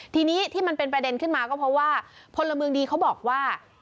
ทีนี้ที่มันเป็นประเด็นขึ้นมาก็เพราะว่าพลเมืองดีเขาบอกว่า